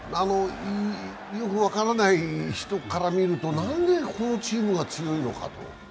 よく分からない人から見ると、なんでこのチームが強いのかと。